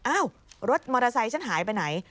อ้าวรถมอเตอร์ไซค์ฉันหายไปไหน